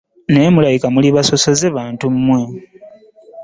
Naye mulabika muli basosoze bantu mmwe.